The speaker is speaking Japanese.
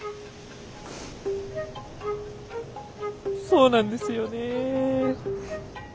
そうなんですよね。